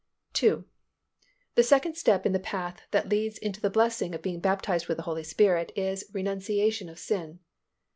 2. The second step in the path that leads into the blessing of being baptized with the Holy Spirit is renunciation of sin.